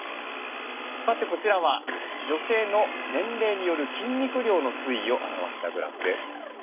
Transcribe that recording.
変わってこちらは女性の年齢による筋肉量の推移を表したグラフです。